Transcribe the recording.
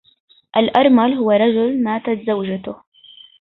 الأرمل هو رجل ماتت زوجه.